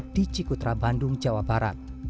di cikutra bandung jawa barat